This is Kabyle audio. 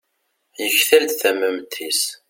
yektal-d tamemt-is